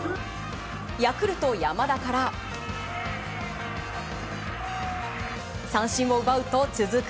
ヤクルト、山田から三振を奪うと続く